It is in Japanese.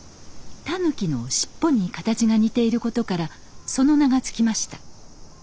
タヌキの尻尾に形が似ていることからその名が付きました。